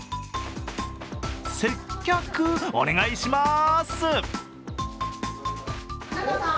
接客お願いします。